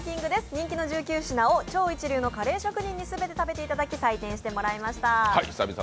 人気の１９品を超過一流のカレー職人に全て食べていただき採点してもらいました。